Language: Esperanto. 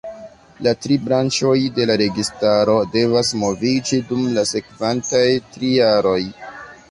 La tri branĉoj de la registaro devas moviĝi dum la sekvantaj tri jaroj.